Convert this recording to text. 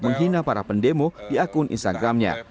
menghina para pendemo di akun instagramnya